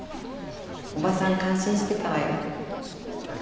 叔母さん感心してたわよ。